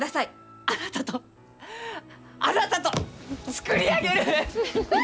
あなたとあなたと、作り上げる！